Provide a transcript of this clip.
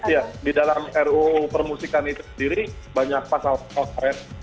ya di dalam ruu permusikan itu sendiri banyak pasal pasal